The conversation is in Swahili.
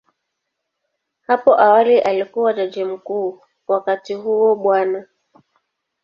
Hapo awali alikuwa Jaji Mkuu, wakati huo Bw.